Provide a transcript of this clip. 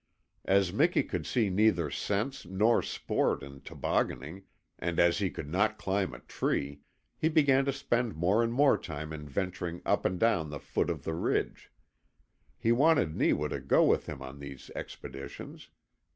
As Miki could see neither sense nor sport in tobogganing, and as he could not climb a tree, he began to spend more and more time in venturing up and down the foot of the ridge. He wanted Neewa to go with him on these expeditions.